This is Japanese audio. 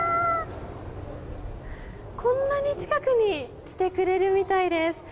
こんなに近くに来てくれるみたいです。